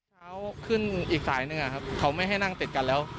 ขึ้นอีกสายหนึ่งเขาไม่ให้นั่งติดกันแล้ว